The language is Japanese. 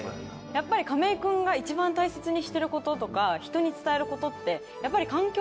やっぱり亀井君が一番大切にしてることとか人に伝えることってやっぱり。